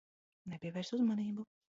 Nepievērs uzmanību.